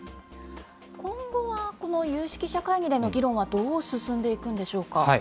今後は、この有識者会議での議論はどう進んでいくんでしょうか。